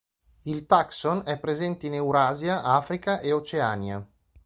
Il taxon è presente in Eurasia, Africa e Oceania.